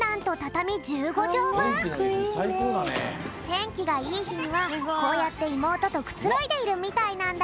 てんきがいいひにはこうやっていもうととくつろいでいるみたいなんだけど。